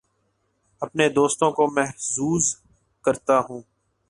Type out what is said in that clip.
اپنے دوستوں کو محظوظ کرتا ہوں